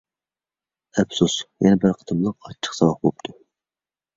ئەپسۇس، يەنە بىر قېتىملىق ئاچچىق ساۋاق بوپتۇ.